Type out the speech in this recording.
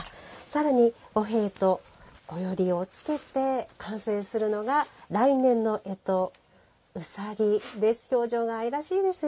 さらに、御幣とこよりをつけて完成するのが来年のえと、うさぎです。